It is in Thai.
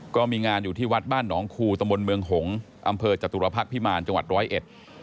ก็มีงานอยู่ที่วัดบ้านหนองคู่ตะมนต์เมืองหงอำเภอจตุระพรรคพิมารจังหวัด๑๐๑